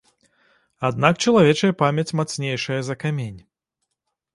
Аднак чалавечая памяць мацнейшая за камень.